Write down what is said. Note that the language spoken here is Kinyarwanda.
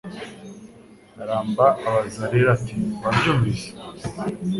Ramba abaza Rere ati “wabyumvise?